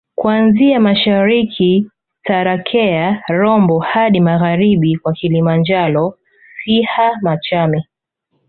kuanzia mashariki Tarakea Rombo hadi magharibi kwa Kilimanjaro Siha Machame